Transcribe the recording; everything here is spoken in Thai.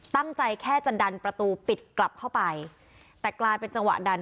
ตั้งใจแค่จะดันประตูปิดกลับเข้าไปแต่กลายเป็นจังหวะดัน